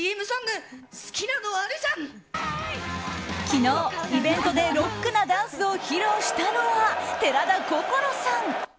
昨日、イベントでロックなダンスを披露したのは寺田心さん。